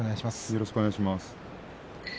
よろしくお願いします。